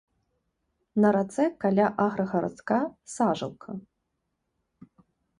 На рацэ каля аграгарадка сажалка.